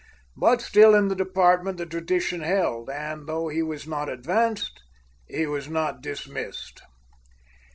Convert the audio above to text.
But, still in the department the tradition held and, though he was not advanced, he was not dismissed.